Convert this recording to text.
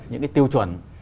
những cái tiêu chuẩn